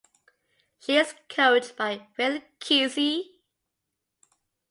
She is coached by Phil Kissi.